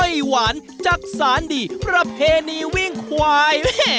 หวานจักษานดีประเพณีวิ่งควาย